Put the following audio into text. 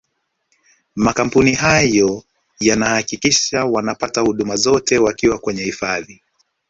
makampuni hayo yanahakikisha wanapata huduma zote wakiwa kwenye hifadhi